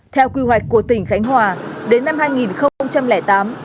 theo quy hoạch của tỉnh khánh hòa đến năm hai nghìn tám